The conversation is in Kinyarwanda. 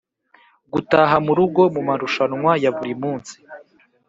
gutaha murugo mumarushanwa ya buri munsi,